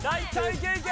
いけいけ！